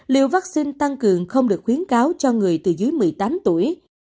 liều vaccine tăng cường không được khuyến cáo cho người từ dưới một mươi tám tuổi